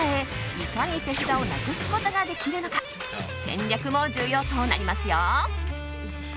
いかに手札をなくすことができるのか戦略も重要となりますよ！